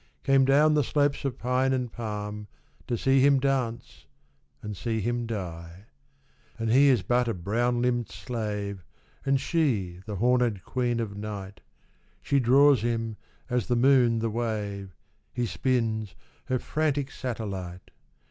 Came down the slopes of pine and palm To see him dance and see him die. And he is but a brown limbed slave. And she the horned Queen of Night ; She draws him, as the moon the wave, — He spins, her frantic satelhte.